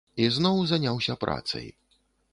І зноў заняўся працай.